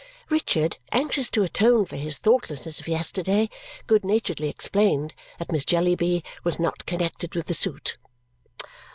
Richard, anxious to atone for his thoughtlessness of yesterday, good naturedly explained that Miss Jellyby was not connected with the suit.